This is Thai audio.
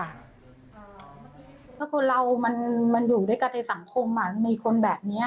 ถ้าคนเรามันอยู่ด้วยกันในสังคมมีคนแบบนี้